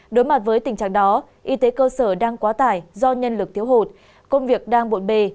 đối mặt với tình trạng đó y tế cơ sở đang quá tải do nhân lực thiếu hụt công việc đang bộn bề